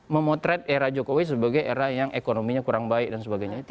memotret era jokowi sebagai era yang ekonominya kurang baik dan sebagainya